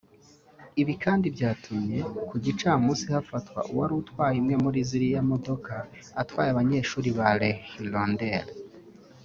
Ibi kandi byatumye ku gicamunsi hafatwa uwari utwaye imwe muri ziriya modoka atwaye abanyeshuri ba Les Hirondelles